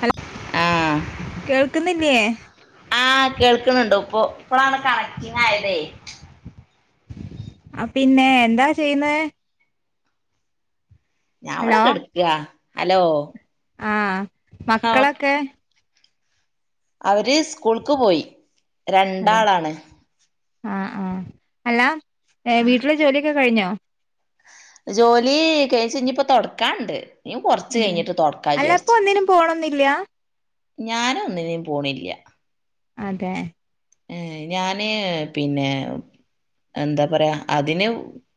Hello ആ കേൾക്കുന്നില്ലേ ആഹ് കേൾക്കുന്നുണ്ടോ ഇപ്പൊ ഇപ്പഴാണ് കണറ്റിങ്ങായതേ ആ പിന്നെ എന്താ ചെയ്യുന്നേ ഞാൻ ഇവിടെ ഹലോ കെടക്കിയാ ഹലോ ആഹ് ആ, മക്കളൊക്കെ അവര് സ്കൂൾക്ക് പോയി അതെ രണ്ടാളാണ് ആഹ് ആഹ് അല്ല ആ, എവിട്ർ ജോലിയൊക്കെ ജോലി കഴിച്ചഞ്ഞിപ്പ തൊടക്കാണ്ട് ഉം അല്ലപ്പൊ ഒന്നിനും പോണം എന്നില്ല ഞാനും ഒന്നിനീപോണില്ല അതെ ഏ ഞാന് പിന്നെ എന്താ പറയാ അതിന്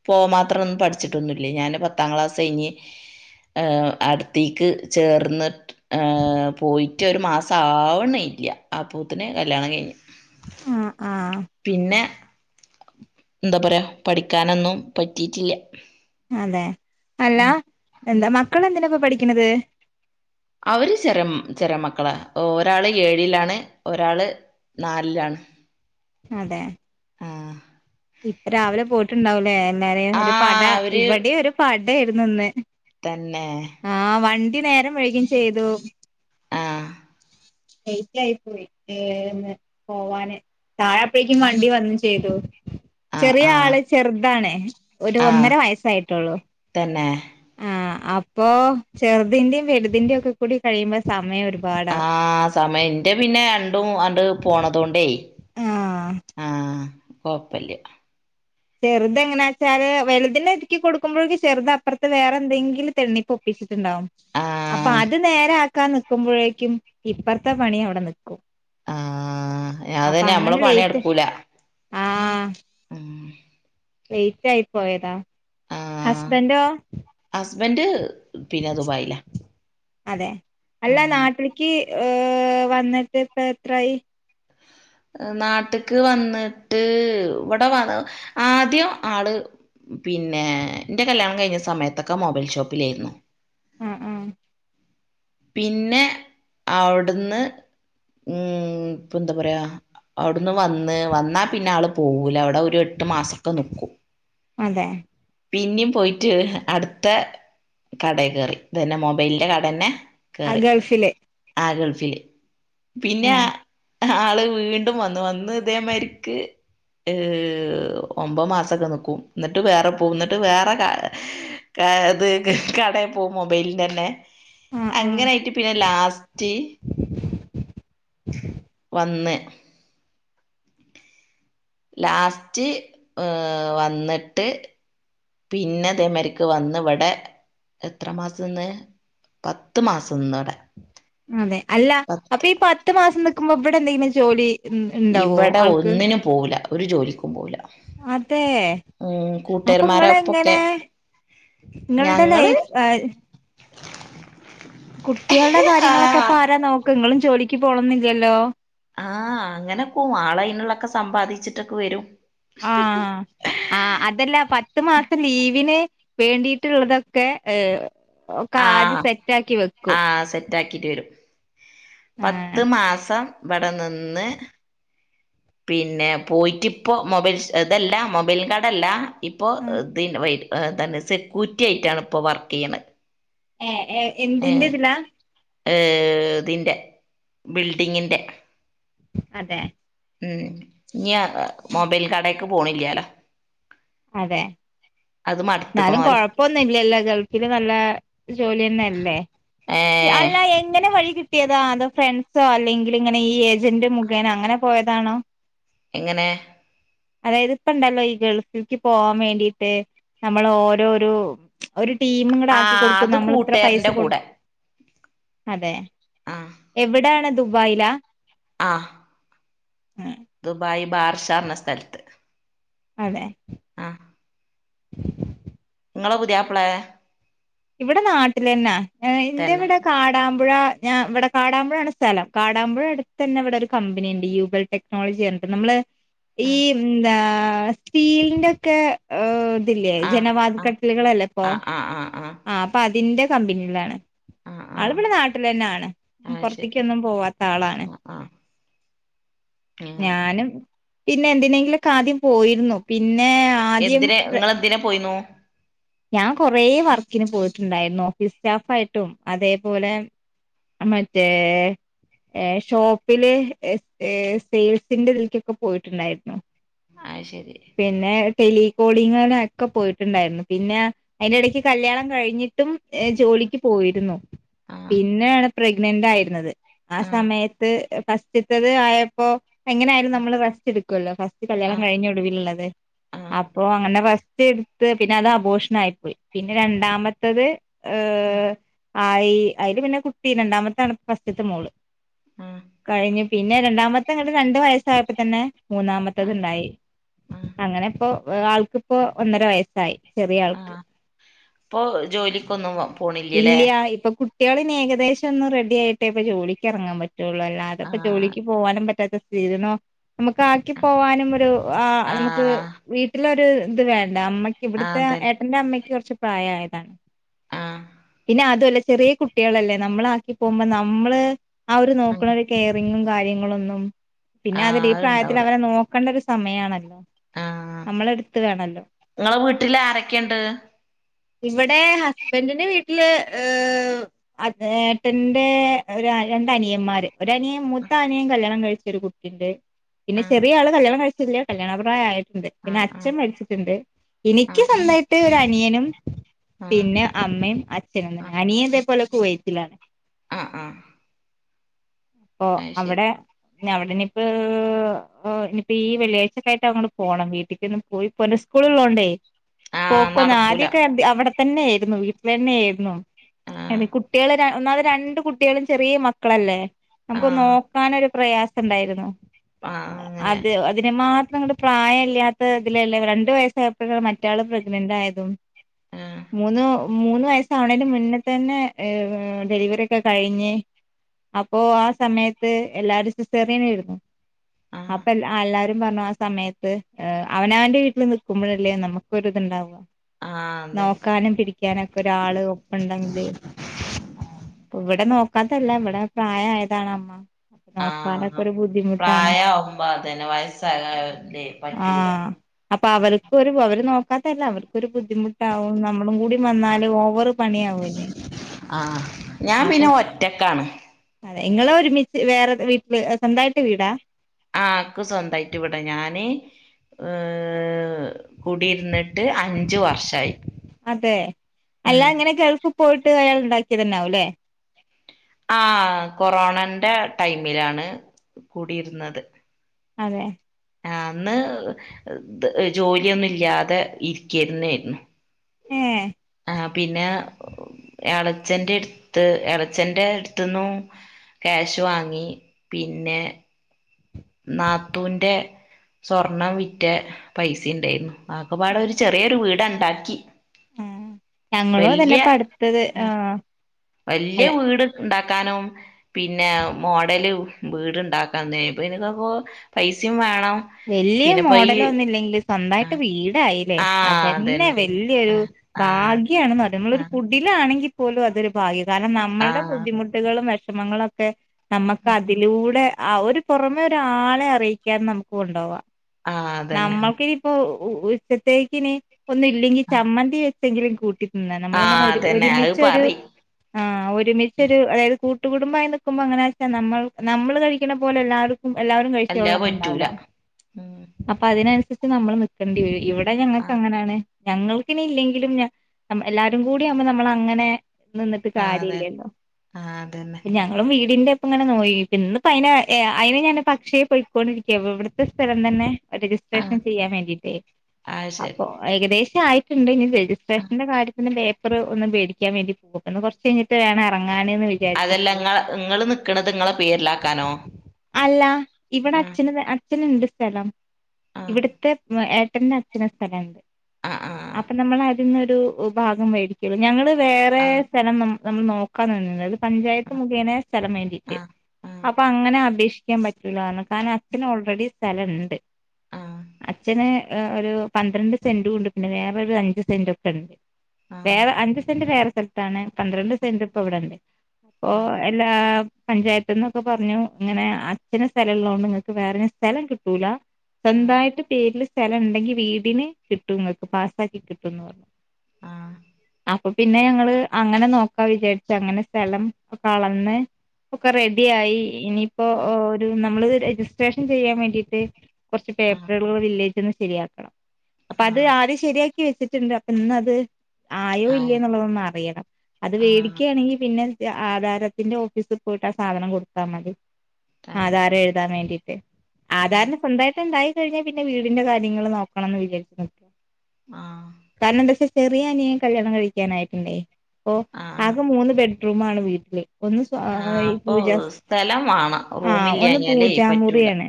പോ മാത്രം ഒന്നും പഠിച്ചിട്ടൊന്നുല്ലേ ഞാന് പത്താം ക്ലാസ്സഴിഞ്ഞ് ഏർ അടുത്തേക്ക് ചേർന്ന് ഏർ പോയിട്ട് ഒരു മാസം ആവണേല്ല അപൂത്തിനെ കല്യാണം കഴിഞ്ഞു ആഹ് ആഹ് എന്താ പറയാ പഠിക്കാനൊന്നും പറ്റിട്ടില്ല അതെ അല്ല ഉം എന്താ മക്കൾ എന്തിനാ ഇപ്പ പഠിക്കണത് അവര് ചെരം ചെര മക്കളാ ഒരാള് ഏഴിലാണ് ഒരാള് നാലിലാണ് അതെ ആഹ് ഇപ്പ രാവിലെ പോയിട്ടുണ്ടാവലേ എല്ലാരേ ഒരു പട ആഹ് അവര് ഇവിടെ ഒരു പട യിരുന്നു ഇന്ന് തന്നെ ആ വണ്ടി നേരം വഴുകും ചെയ്തു ആഹ് എേറ്റ ആയി പോയി ഏന്ന് പോവാന് താഴെ അപ്പഴേക്കും വണ്ടി വന്നു ചെയ്തു ആഹ് ചെറിയ ആഹ് ആള് ചെറുതാണ് ഒരു ആഹ് ഒന്നര വയസായിട്ടുള്ളു തന്നെ ആ അപ്പൊ ചെറുതിന്റെയും വെലുതിന്റെ ഒക്കെ കൂടി കഴിയുമ്പോ സമയം ഒരു ആ സമയം ഇന്റെ പിന്നെ രണ്ടും അണ്ട് പോണതോണ്ടേ ആ കൊഴപ്പല്ല ചെറുത എങ്ങനെയാ വച്ചാല് വലുതിന്റെ ഒരുക്കികൊടുക്കുമ്പോഴേക്ക് ചെറുത് അപ്പുറത്ത് വേറെ എന്തെങ്കിലും തണ്ണിപ്പൊപ്പി ണ്ടാവും അപ്പൊ ആഹ് അത് നേരെ ആക്കാൻ നക്കുമ്പോഴേക്കും ഇപ്പറത്തെ പണി അവിടെ നി ക്കും ആഹ് അപ്പൊ അതന്നെ അങ്ങനെ നമ്മളെ പണി ലേറ്റ് നടക്കൂല ആ.. ഉം ലൈറ്റ്ആയി പോയതാ ഹസ്ബൻഡോ ഹസ്ബന്ഡ് പിന്നെ ദുബായില.. അതെ അല്ല നാട്ടിലേക്ക് ഏ വന്നിട്ട് ഇപ്പ എത്രായി നാട്ട്ക്ക് വന്നിട്ട് ഇവിടെ വ ആദ്യം ആള് പിന്നെ ഇ ന്റെ കല്യാണം കഴിഞ്ഞ സമയത്തൊക്കെ മൊബൈൽ ഷോപ്പിലാന്ന് അ അ പിന്നെ അവിടുന്ന് ഉം ഇപ്പൊ എന്താ പറയാ അവിടുന്ന് വന്ന് വന്നാ പിന്നെ ആള് പോകൂല അവി ഇവിടെ ഒരു എട്ട് മാസക്കെ നിക്കും അതെ പിന്നെയും പോയിട്ട് അടുത്ത കട കറി ഇത് തന്നെ മൊബൈലിന്റെ കട തന്നെ ആ കേറി ഗൾഫില് ആ ഗൾഫില് പിന്നെ ആഹ് ആള് വീണ്ടും വന്ന് വന്ന് ഇതേമാതിരിക്ക് ഒമ്പത് മാസൊക്കെ നിക്കും ന്നിട്ട് വേറെ പോ എന്നിട്ട് വേറെ അത് കടയിൽ പോകും മൊബൈലിന്റെ തന്നെ ആഹ് അങ്ങനൊയിട്ട് പിന്നെ ലാസ്റ്റ് വന്ന് ലാസ്റ്റ് വന്നിട്ട് പിന്നെതെമാരിക്ക് വന്ന് ഇവിടെ എത്ര മാസം നിന്ന് പത്ത് മാസം നിന്ന് ഇടെ അതെ അല്ല അപ്പൊ ഈ പത്ത് മാസം നിക്കുമ്പോ ഇവിടെ എന്തെങ്കിലും ജോലി ഉണ്ടാവോ ഇവിടെ ആൾക്ക് ഒന്നിന് പോവില്ല ഒരു ജോലിക്കും പോവില്ല അതെ അപ്പൊ ങ്ങള് കൂട്ടുകാരന്മാരപ്പൊക്കെ എങ്ങനെ ങ്ങളടെ ഞങ്ങള് ലൈഫ് കുട്ടികളുടെ ആ കാര്യങ്ങളൊക്കെപ്പ ആരാ നോക്ക് നിങ്ങളും ജോലിക്ക് പോണംന്നില്ലല്ലോ ആ അങ്ങനെക്കും ആളനുള്ളൊക്കെ സമ്പാദിച്ചിട്ടൊക്കെ വരും ആ ആ അതല്ല പത്തു മാസം ലീവിന് വേണ്ടിയിട്ടുള്ളതൊക്കെ ഏ ഒക്കെ ആദ്യം ആഹ് സെറ്റ്അക്കി വെക്കും ആഹ് സെറ്റാക്കിട്ട് വരും ആഹ് പത്ത് മാസം ഇവിടെ നിന്ന് പിന്നെ പോയിട്ട ഇപ്പോൊ മൊബൈൽ ഇതല്ല മൊബൈൽ കടല്ല ഇപ്പൊ ഇതി വൈ തന്നെ സെക്യൂരിറ്റി ആയിട്ടാണ് ഇപ്പൊ വർക്ക് ചെയ്യണ ഏഏ എന്തിന്റെ ഇതിലാ ഏ ഇതിറെ ബിൽഡിങ്ങിന്റെ അതെ ഉം ഇനിയ മൊബൈൽ കടേക്ക് പോണില്ലാലോ അതെ അത് എന്നാലും മടുത്തുക്കണോലോ കൊഴപ്പൊന്നും ഇല്ലല്ലോ ഗൾഫില് നല്ല ജോലി ഒന്നല്ലേ ഏഹ് അല്ല എങ്ങനെ വഴി കി ട്ടിയതാ അതോ ഫ്രണ്ട്സോ അല്ലെങ്കിൽ ഇങ്ങനെ ഈ ഏജന്റ് മുഖേനേ അങ്ങനെ പോയതാണോ എങ്ങനെ അതായത് ഇപ്പ ഉണ്ടാലോ ഈ ഗൾ ഫിക്ക് പോവാൻ വേണ്ടിട്ട് നമ്മൾ ഓരോരു ഒരു ടീം ഇങ്ങട് ആക്കി ആഹ് കൊടുക്കും അത് നമ്മൾ ഇത്ര പൈസ കൂട്ടുകാരന്റെ കൂടെ കൊടുക്കും അതെ എവിടാണ് ദുബായിലാ ആ മ്മ് ദുബായ് ബാർഷാർ എന്ന സ്ഥലത്ത് അതെ ആഹ് നിങ്ങളെ പുതിയാപ്പളെ ഇവിടെ നാട്ടിലെന്ന എന്റെ തന്നെ ഇവിടെ കാടാ മ്പുഴ ഞ ഇവിടെ കാടാമ്പുഴ ആണ് സ്ഥലം കാടാമ്പുഴ അടുത്ത് തന്നെ ഇവിടെ ഒരു കമ്പനി ഉണ്ട് യൂബൽ ടെക്നോളജി നമ്മള് ഈ ആഹ് എന്താ സ്റ്റീലിന്റെ ഒക്കെ ല്ലേ ആഹ് ജനവാദ് കട്ടിലുകളല്ലേ ഇപ്പോ ആഹ് ആഹ് ആഹ് ആഹ് ആ അപ്പോ അതിന്റെ കമ്പനിയിലാണ് ആഹ് ആഹ് ആള് ഇവിടെ ആഹ് നാട്ടിലെന്നെയാണ് അത് ശരി പോറത്തിക്കൊന്നും പോവാത്ത ആളാണ് ആഹ് ആഹ് അങ്ങനെ ഞാനും പിന്നെ എന്തിനെങ്കിലൊക്കെ ആദ്യം പോയിരുന്നു പി എന്തിന് നിങ്ങളെന്തിന് പോയിന്നു ഞാൻ കൊറെ വർക്കിന് പോയിട്ടുണ്ടായിരുന്നു ഓഫീസ് സ്റ്റാഫ് ആയിട്ടും അതേപോലെ മറ്റേ ഏ ഷോപ്പില് ഏ സെയിൽസിന്റെ ഇതിലേക്കൊക്കെ പോയിട്ടുണ്ടായിരുന്നു ആ ശരി ടെലികോളിങ്ങിന് ഒക്കെ പോയിട്ടുണ്ടായിരുന്നു പിന്നെ അതിന്റെ എടക്ക് കല്യാണം കഴിഞ്ഞിട്ടും ഏ ജോലിക്ക് പോയിരുന്നു ആഹ് പിന്നെയാണ് പ്രഗ്നന്റ് ആയിരുന്നത് ആ ആഹ് സമയത്ത് ഫസ്റ്റത്തത് ആയപ്പോ എങ്ങനെയായാലും ആഹ് നമ്മള് റസ്റ്റ്‌ എടുക്കുവല്ലോ ഫസ്റ്റ് കല്യാണം ആഹ് കഴിഞ്ഞ ഒടുവിലുള്ളത് ആഹ് അപ്പോ അങ്ങനെ ഫസ് റ്റ് എടുത്ത് പിന്നെ അത് അബോർഷൻ ആയിപ്പോയി പിന്നെ രണ്ടാമത്തത് ഏ ആയി അതില് പിന്നെ കുട്ടി രണ്ടാമത്താണ് ഫസ്റ്റ്‌ത്തെ മോള് ആഹ് കഴിഞ്ഞ പിന്നെ രണ്ടാമത്തെ അങ്ങട് രണ്ട് വയസായപ്പോ തന്നെ മൂന്നാമത്തത്ണ്ടായി ആഹ് അങ്ങനെ ഇപ്പോ ഒരാൾക്ക് ഇപ്പോ ഒന്നര വയസ്സായി ചെറിയ ആ ആൾക്ക് ഇപ്പോ ജോലിക്കൊന്നും പോ ഇല്ല ഇപ്പോ കുട്ടികള് ഇനി ഏകദേശം ഒന്ന് റെഡി ആയിട്ടോക്കെ ജോലിക്ക് എറങ്ങാൻ പ റ്റുള്ളൂ അല്ലാതിപ്പോ ആഹ് ജോലിക്ക് പോകാനും പറ്റാത്ത [unintelligible] നമുക്ക് ആക്കി ആഹ് പോകാനും ഒരു ആ നമുക്ക് വീട്ടിലൊരു ഇത് വേണ്ടേ അമ്മയ്ക്ക് ആഹ് ഇവിടുത്തെ അതന്നെ ഏട്ടന്റെ അമ്മയ്ക്ക് കൊറച്ച് പ്രായായതാ ആ അതുല്ല ചെറിയ കുട്ടികളല്ലേ നമ്മള് ആക്കി പോകുമ്പോ നമ്മള് ആ ഒരു നോക്കണ ആഹ് ഒരു കെയറിങും കാര്യങ്ങളൊന്നും പിന്നെ അതെല്ല ഈ ആഹ് പ്രായത്തിൽ അത്ണ്ടാവൂല അവരെ നോക്കേണ്ട ഒരു സമയാണല്ലോ ആഹ് നമ്മളെ എടുത്ത് വേണല്ലോ നിങ്ങളെ വീട്ടില് ആരൊക്കെയുണ്ട് ഇവിടെ ഹസ്ബൻഡിന്റെ വീട്ടില് ഏ ഏട്ടന്റെ ഒരു രണ്ട് അനിയന്മാര് ഒരു അനിയൻ മൂത്ത അനിയൻ കല്യാണം കഴിച്ച് ഒരു കുട്ടിണ്ട് പിന്നെ ആഹ് ചെറിയ ആള് കല്യാണം കഴിച്ചിട്ടില്ല കല്യാണ പ്രായായിട്ട് ണ്ട് പിന്നെ ആഹ് അച്ഛൻ മരിച്ചിട്ടുണ്ട് എനിക്ക് ആഹ് സ്വന്തമായിട്ട് ഒരു അനിയനും ആഹ് പിന്നെ അമ്മയും അച്ഛനും തന്നെ അനിയൻ ഇതേപോലെ കുവൈറ്റിലാണ് ആ ആ അപ്പോ അവടെ അവടിനിപ്പോ ഇനിപ്പോ ഈ വെള്ളിയാഴ്ചക്കായിട്ട് അങ്ങ്ട് പോണം വീട്ടിക്കോന്ന് പോയി പോലെ സ്കൂളള്ളോണ്ടേ ആഹ് പോക്കൊന്ന് നടക്കൂല ആദ്യൊക്കെ അവിടെ തന്നെ ആയിരുന്നു വീട്ടിൽ തന്നെ ആയിരുന്നു ആഹ് എനെ കുട്ടികള് ഒന്നാമത് രണ്ട് കുട്ടികളും ചെറിയ മക്കളല്ലേ നമുക്ക് ആഹ് നോക്കനൊരു പ്രയാസം ഇണ്ടായിരുന്നു ആഹ് അങ്ങനെ അത് അതിന് മാത്രം ങ്ങട് പ്രായമല്ല്യാത്ത ഇതിലല്ലേ രണ്ടു വയസായപ്പോഴ മാറ്റാളെ പ്രഗ്നന്റ് ആയതും ആഹ് മൂന്ന് മൂന്ന് വയസ് ആവണേന് മുന്നെ തന്നെ ഡെലിവറി ഒക്കെ കഴിഞ്ഞ് അപ്പൊ ആ സമയത്ത് എല്ലാരും സിസേറിയനായിരുന്നു ആഹ് അപ്പൊ അല്ലാരും പറഞ്ഞു ആ സമയത്ത് അവനവന്റെ വീട്ടിൽ നിൽക്കുമ്പോഴല്ലേ നമുക്ക ഒരിത്ണ്ടാവാ ആഹ് അതെ നോക്കാനും പിടിക്കാനൊക്കെ ഒരാള് ഒപ്പണ്ടെങ്കില് ഇവിടെ നോക്കാതല്ല ഇവിടെ പ്രായമായതാണ് അമ്മ നോക്കാനൊക്കെ ഒരു ബുദ്ധി പ്രായ ഒമ്പതിന് വയസ്സാകാതെ ന്തേ പറ്റൂടെ ആഹ് അപ്പൊ അവർക്കൊരു അവര് നോക്കാത്തല്ല അവർക്കൊരു ബുദ്ധിമുട്ടാവും നമ്മളും കൂടി വന്നാല് ഓവറ് പണിയാവൂല്ലേ ആ ഞാൻ അപ്പൊ പിന്നെ ഒറ്റക്കാണ് അതെ നിങ്ങളെ ഒരുമിച്ച് വേറെ വീട്ടില് സ്വന്തമായിട്ട് വീടാ ആഹ് ആക്ക് സ്വന്തയിട്ട് ഇവിട ഞാന് ഏ കൂടിയിരുന്നിട്ട് അഞ്ചു വർഷായി അതെ അല്ലാ ഉം അങ്ങനെ ഗൾഫിൽ പോയിട്ട് അയാൾ ഉണ്ടാക്കിയ തന്നാവും ല്ലേ ആ കൊറോണന്റെ ടൈമിലാണ് കൂടിയിരുന്നത് അതെ ആ അന്ന് ജോലിയൊന്നും ഇല്ല്യാതെ ഇരിക്കരുന്നായിരുന്നു ഏ ആ പിന്നെ ക്യാഷ് വാങ്ങി പിന്നെ നാത്തുന്റെ സ്വർണം വിറ്റ പൈസിം ഇണ്ടായിരുന്നു അതൊക്കെപ്പാടെ ഒരു ചെറിയൊരു വീടണ് ണ്ടാക്കി ആഹ് ഞങ്ങളും അതന്നെ പ്പടുത്തത് ആഹ് വല്യ വീട് ഇണ്ടാക്കാനും പിന്നെ മോഡല് വീട്ണ്ടാക്കാന് [unintelligible] പൈസയും വേ വല്യ മോഡലൊന്നും ഇല്ലെങ്കിലും സ്വന്തായിട്ട് ആഹ് വീടായില്ലേ അതന്നെ വല്യൊരു ആഹ് ആഹ് ഭാഗ്യാണെന്ന് പറ നമ്മളൊരു ആഹ് കുടിലാണെങ്കിൽ പോലും അതൊരു ഭാഗ്യ കാരണം നമ്മളുടെ ബുദ്ധിമുട്ടുകളും വെഷമങ്ങളൊക്കെ നമുക്ക് ആഹ് അതിലൂടെ ആ ഒരു പൊറമെ ഒരാളെ അറിയിക്കാതെ നമുക്ക് കൊണ്ടോവാ ആഹ് അതന്നെ നമ്മൾക്കിനിയിപ്പോ ഉച്ചത്തേക്കിനി ഒന്നില്ലെങ്കി ആ ചമ്മന്തി വെച്ചെങ്കിലും കൂട്ടി ഉം ന്ന നമ്മള്ങ്ങനെ ആഹ് ഒര് അതന്നെ അത് ഒര്മിച്ചൊരു പറിം ആഹ് ഒര്മിച്ചൊരു അതായത് കൂ ട്ടുകുടുംബമായി നിക്കുമ്പോ എങ്ങനാച്ചാ നമ്മൾ നമ്മള് കഴിക്കണ പോലെല്ലാർ ക്കും എല്ലാവരും അല്ലാതെ പറ്റൂല കഴിച്ചോള്ളണന്നുണ്ടാവൂല്ല. ഉം അപ്പതിനൻസരിച്ച് നമ്മളും നിക്കേണ്ടി വരും ഇവടെ ആഹ് ഞങ്ങൾക്കങ്ങനേണ്. ഞങ്ങൾക്കിനിയില്ലെങ്കിലും ഞ എം എല്ലാരും കൂടിയാവുമ്പോ നമ്മളങ്ങനെ നിന്നിട്ട് ആഹ് അതെ കാര്യല്ലല്ലോ ആഹ് അതന്നെ ഞങ്ങളും വീടിന്റെ ഇപ്പ ഇങ്ങനെ നോയി ഇന്ന് പ്പയ്‌നെ ഏഹ് അയ്ന് ഞാൻ്റെ അക്ഷയേ പൊയ്ക്കൊണ്ടിരിക്കുവാ ഇവ് വ് ഇവട്ത്തെ സ്ഥലം തന്നെ രജിസ്ട്രേഷൻ ആഹ് ചെയ്യാൻ വേണ്ടിട്ടേ അത് അപ്പൊ ശരി ഏകദേശായി ക്ക്ണ്ട് ഞ് ആഹ് രജിസ്ട്രേഷന്റെ കാര്യത്തിന് പേപ്പർ ഒന്ന് വേടിക്കാൻ വേണ്ടി പോവും ഇന്ന് കൊർച്ചഴ്ഞ്ഞിട്ട് വേണം എറ അതെല്ല ഇങ്ങ ഇങ്ങള് നിക്കണത് ഇങ്ങളെ പേരിലാക്കാനോ? അല്ല ഇവടെ ആഹ് അച്ഛന് അച്ഛന്ണ്ട് സ്ഥലം. ആഹ് ഇവടെത്തെ ഏട്ടന്ന് അച്ഛന് സ്ഥലണ്ട് ആഹ് അപ്പൊ നമ്മള ഇന്നൊരു ഭാഗം വേടി [unintelligible] ഞങ്ങള് വേറെ ആഹ് സ്ഥലം നമ്മ നമ്മൾ നോക്കാ നിന്നീനത് പഞ്ചായത്ത് മുഖേന സ്ഥലം വേണ്ടീട്ട് ആഹ് ആഹ് അപ്പങ്ങനെ അപേക്ഷി ക്കാൻ പറ്റൂല്ലാർഞ്ഞ് കാരണം അച്ഛന് ഓൾറെഡി സ്ഥലണ്ട്. അച്ഛന് ഒരു പന്ത്രണ്ട് സെൻ്റുണ്ട് പിന്നെ വേറൊരു അഞ്ച് സെൻ്റെക്കെണ്ട്. ആഹ് ആഹ് വേറെ അഞ്ച് സെന്റ് വേറെ സ്ഥല്ത്താണ് പന്ത്രണ്ട് സെന്റ് ഇപ്പൊ ഇവടെണ്ട്. പ്പൊ ആഹ് എല്ലാ പഞ്ചായത്ത്ന്നൊക്കെ പർഞ്ഞു ഇങ്ങനെ അച്ഛന് സ്ഥലള്ളോണ്ട് ങ്ങക്ക് വേറെ [unintelligible] സ്ഥലം കിട്ടൂല ആഹ് സ്വന്തായിട്ട് പേരില് സ്ഥല ണ്ടെങ്കി വീടിന് കിട്ടും ങ്ങക്ക് പാസ്സാക്കി കിട്ടുംന്ന് പറഞ്ഞു. ആഹ് ആഹ് ആഹ് അപ്പൊ പിന്നെ ഞങ്ങള് അങ്ങനെ നോക്കാ വിചാര്ച്ച് അങ്ങനെ സ്ഥലം ക്കളന്ന് ഒക്കെ റെഡ്യായി ഇനിയിപ്പോ ഒ ഒരു നമ്മള് രജിസ്ട്രേഷൻ ചെയ്യാം വേണ്ടിട്ട് കൊർച്ച് ആഹ് ആഹ് പേപ്പറു [unintelligible] വില്ലേ ജ് ന്ന് ശെരിയാക്കണം അപ്പൊ അത് ആദ്യം ശെരിയാക്കി വെച്ച്ട്ട്ണ്ട് അപ്പൊ ഇന്ന് അത് ആയോ ആഹ് ആഹ് ആഹ് ആഹ് ഇല്ലേ ന്നുള്ളതൊന്നറിയണം അത് വേടിക്കാണെങ്കി പിന്നെ ഇ ആധാരത്തിന്റെ ഓഫീസ് പോയിട്ട് ആ സാധനം കൊടുത്താ മതി. ആധാരം എഴുതാൻ വേണ്ടി ആധാറിന്റെ സ്വന്തായിട്ട് ഉണ്ടായി കഴിഞ്ഞാ പിന്നെ വീടിന്റെ കാര്യങ്ങൾ നോക്കണംന്ന് വിചാരിക്ക്ണ്ട്. ആഹ്. ചെറിയ അനിയൻ കല്ല്യാണം കഴിക്കാനായിട്ടുണ്ടേ. അപ്പൊ ആഹ് ആകെ മൂന്ന് ബെഡ്റൂമാണ് വീട്ടില്. ഒന്ന് സ്വാ യി അപ്പൊ പൂജാ. സ്ഥലം വാണം ആഹ് ഒന്ന് റൂമില്ലാഞ്ഞാലേ പറ്റൂല പൂജാമുറിയാണ്.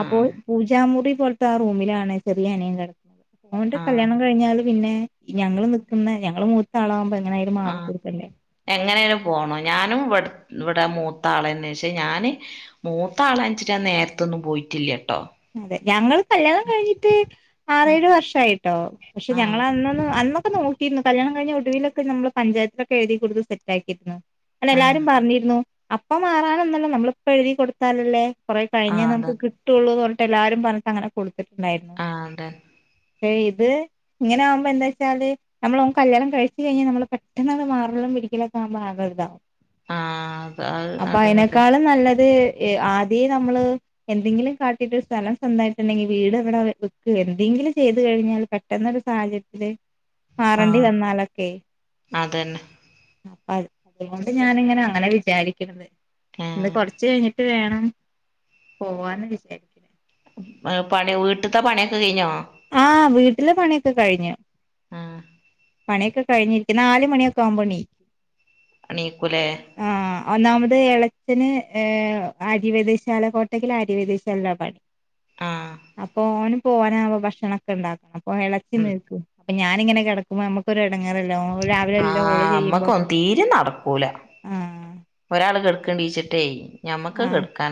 ആഹ് അപ്പോൾ പൂജ ആ മുറി പോൽത്താ റൂമിലാണ് ചെറിയ അനിയൻ കെട്ക്ക. ഓന്റെ ആഹ് കല്യാണം കഴിഞ്ഞാല് പിന്നെ ഞങ്ങള് നിക്ക്‌ന്നെ ഞങ്ങള് മൂത്താളാവുമ്പോ എങ്ങനായാലും മാറി ആഹ് ക്കൊടുക്കണ്ടേ. എങ്ങനെയാലും പോണം. ഞാനും ഇവ്ട് ഇവടെ മൂത്താളന്നെ. ക്ഷെ ഞാന് മൂത്താളാൻ ച്ചിട്ട് ഞാൻ നേര്ത്തൊ ന്നും പോയ്ട്ടില്ല. അതെ ഞങ്ങള് കല്യാണം കഴിഞ്ഞിട്ട് ആറേഴ് വർഷായിട്ടോ പക്ഷെ ഞങ്ങൾ ആഹ് അന്നൊന്നും അന്നൊ ക്കെ നോക്കിര്ന്നു കല്യാണം കഴിഞ്ഞ ഒടുവിലൊക്കെ നമ്മള് പഞ്ചായത്തിലൊക്കെ എഴുതി കൊടുത്തു സെറ്റാക്കിയിരുന്നു അല്ല എല്ലാരും ആഹ് പറഞ്ഞിരുന്നു അപ്പം മാറാനൊന്നല്ല നമ്മളിപ്പോ എഴുതി കൊടുത്താലല്ലേ കൊറെ കഴിഞ്ഞേ നമുക്ക് അത കിടട്ടൊള്ളൂന്ന് പറഞ്ഞിട്ട് എല്ലാരും പറഞ്ഞിട്ട് അങ്ങനെ കൊടുത്തിട്ടുണ്ടായിരുന്നു. ആഹ് അതെ ശേ യിത് ഇങ്ങനാവുമ്പോ എന്താച്ചാല് നമ്മള് ഓൻ കല്യാണം കഴിച്ച് കഴിഞ്ഞാ നമ്മള് പെട്ടന്നാണ്ട് മാറലും പിടിക്കലും ഒക്കാവുമ്പോ ആകൊ രിതാ. ആഹ് അത് അത് അപ്പ അതന്നെ അതന്നെ അയ്നേക്കാളും നല്ലത് ഏഹ് ആദ്യേ നമ്മള് എന്തെങ്കിലും കാ ട്ടീട്ട് ഒരു സ്ഥലം സ്വന്തായിട്ടുണ്ടെങ്കി വീട് വടെ വെ വെക്ക്വേ എന്തെങ്കിലും ചെയ്തു കഴിഞ്ഞാൽ പെട്ടന്നൊരു സാഹചര്യത്തില് മാറണ്ടി ആഹ് വന്നാലൊക്കേയ് അതന്നെ അത് തുകൊണ്ട് ഞാനിങ്ങനെ അങ്ങനെ വിചാരിക്ണത്. ഇന്ന് കൊറച്ച് കഴിഞ്ഞിട്ട് വേ ണം പോവാന്ന് വിചാരിക്ക്ണ്. അഹ് പണി വീട്ട്ത്ത പണിയൊക്കെ കഴിഞ്ഞോ? ആഹ് വീട്ടിലെ പണിയൊക്കെ കഴിഞ്ഞ്. ആഹ് പണിയെക്കെ കയിഞ്ഞിരിക്കനാല്മണിയൊക്കെ ആവുമ്പോണീ എണീകുലേ ഒന്നാമത് എളച്ചന് ഏഹ് ആര്യവൈദ്യശാല കോട്ടക്കൽ ആര്യവൈദ്യശാല ലാ പണി. ആഹ് അപ്പൊ ഓന് പോവാനാമ്പോ ഭക്ഷണൊക്കെ ണ്ടാക്കും അപ്പൊ എളച്ചി. ഉം നീക്കും അപ്പ ഞാനിങ്ങനെ കെടക്കുമ്പോ നമ്മക്കൊരു എടങ്ങേറല്ലേ ഓ ആഹ് അമ്മക്കൊ തീരെ നടക്കൂല ആഹ് ഒരാൾ കെ [unintelligible] ഞമ്മക് ആഹ് കേട [unintelligible]